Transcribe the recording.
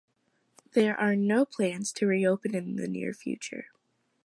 There are no plans to reopen in the near future.